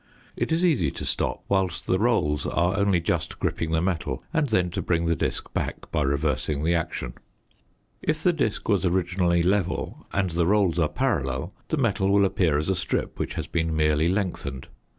It is easy to stop whilst the rolls are only just gripping the metal and then to bring the disc back by reversing the action. If the disc was originally level and the rolls are parallel, the metal will appear as a strip which has been merely lengthened.